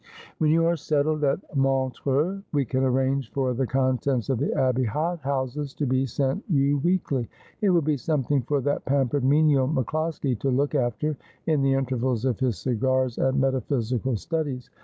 ' When you are settled at Montreux we can arrange for the contents of the Abbey hot houses to be sent you weekly. It will be something for that pampered menial MacCIoskie to look after, in the intervals of his cigars and metaphysical studies.